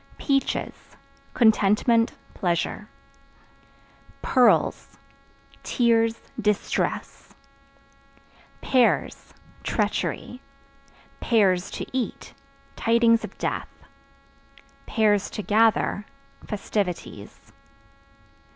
Peaches Contentment, pleasure. Pearls Tears, distress. Pears Treachery; (to eat) tidings of death; (to gather) festivities.